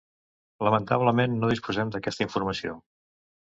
Lamentablement no disposem d'aquesta informació.